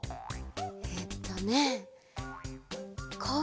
えっとねこ